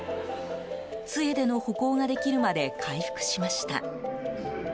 杖での歩行ができるまで回復しました。